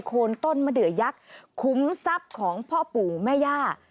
โคนต้นมะเดือยักษ์คุ้มทรัพย์ของพ่อปู่แม่ย่า